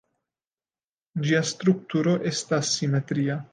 Ĝia strukturo estas simetria.